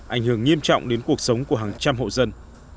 ảnh hưởng nghiêm trọng đến cuộc sống của hàng trăm hộ dân